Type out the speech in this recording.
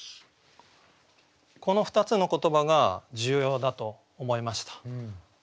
この２つの言葉が重要だと思いました。